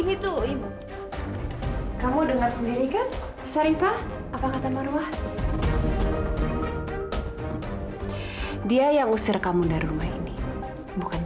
itu kamu dengar sendiri kan saripah apa kata marwah dia yang usir kamu dari rumah ini bukan